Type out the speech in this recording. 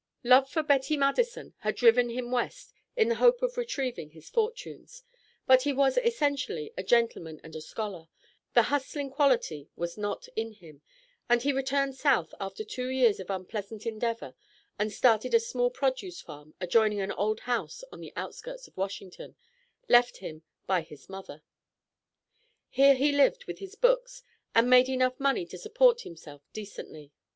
Love for Betty Madison had driven him West in the hope of retrieving his fortunes, but he was essentially a gentleman and a scholar; the hustling quality was not in him, and he returned South after two years of unpleasant endeavour and started a small produce farm adjoining an old house on the outskirts of Washington, left him by his mother. Here he lived with his books, and made enough money to support himself decently.